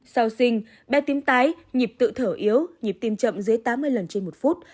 sau sinh bé tím tái nhịp tự thở yếu nhịp tim chậm dưới tám mươi lần trên một phút